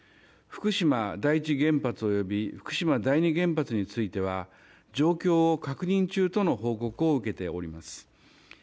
福島第一原発及び福島第二原発については状況を確認中との報告を受けています。